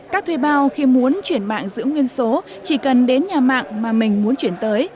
các thuê bao khi muốn chuyển mạng giữ nguyên số chỉ cần đến nhà mạng mà mình muốn chuyển tới